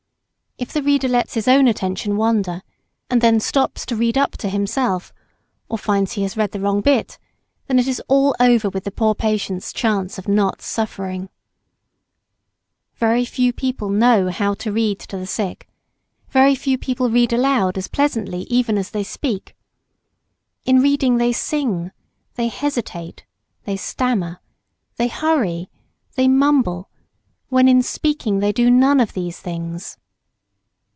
If the reader lets his own attention wander, and then stops to read up to himself, or finds he has read the wrong bit, then it is all over with the poor patient's chance of not suffering. Very few people know how to read to the sick; very few read aloud as pleasantly even as they speak. In reading they sing, they hesitate, they stammer, they hurry, they mumble; when in speaking they do none of these things.